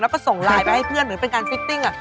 แล้วก็ส่งไลน์ไปให้เพื่อนเหมือนเป็นการฟิตติ้ง